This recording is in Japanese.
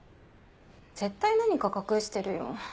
絶対何か隠してるよ。